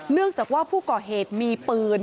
เนื่องจากว่าผู้ก่อเหตุมีปืน